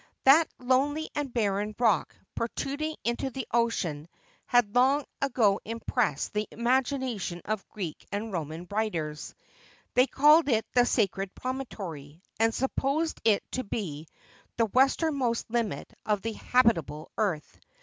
That lonely and barren rock, protruding into the ocean, had long ago impressed the imagination of Greek and Roman writers ; they called it the Sacred Promontory, and supposed it to be the west ernmost limit of the habitable earth.